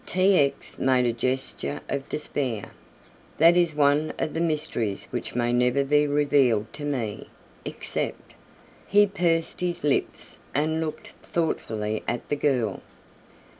T. X. made a gesture of despair. "That is one of the mysteries which may never be revealed to me, except " he pursed his lips and looked thoughtfully at the girl.